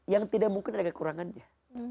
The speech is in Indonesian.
yang tidak mungkin ada kekurangannya